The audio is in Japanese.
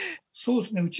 そうですね。